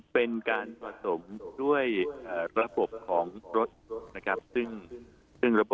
เป็นการผสมด้วยระบบของรถนะครับ